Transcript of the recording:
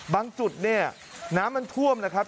บางจุดน้ำมันท่วมนะครับ